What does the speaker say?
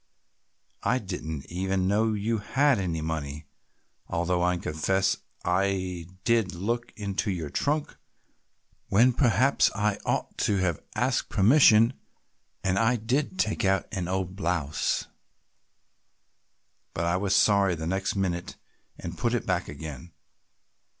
I didn't even know you had any money, although I confess I did look into your trunk when perhaps I ought to have asked permission and I did take out an old blouse, but I was sorry the next minute and put it back again.